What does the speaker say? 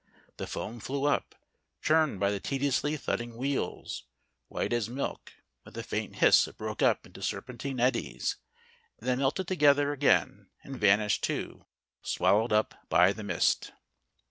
The foam flew up, churned by the tediously thudding wheels ; white as milk, with a faint hiss it broke up into serpentine eddies, and then melted together again and vanished too, swallowed up by the mist.